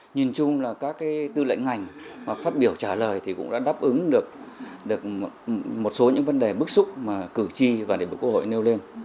nhìn chung là các tư lệnh ngành phát biểu trả lời thì cũng đã đáp ứng được một số những vấn đề bức xúc mà cớ tri và để được cơ hội nêu lên